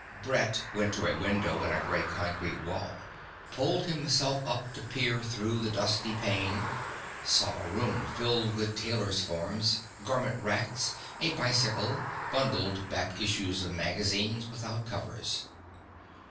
Brett went to a window in a grey concrete wall, pulled himself up to peer through the dusty pane, saw a room filled with tailor's forms, garment racks, a bicycle, bundled back issues of magazines without covers.